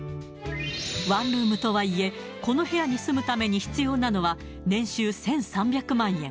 ワンルームとはいえ、この部屋に住むために必要なのは、年収１３００万円。